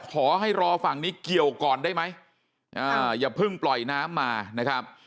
ขอให้รอฝั่งนี้เกี่ยวก่อนได้ไหมอย่าเพิ่งปล่อยน้ำมานะครับ